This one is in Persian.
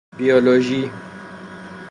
بیولوژی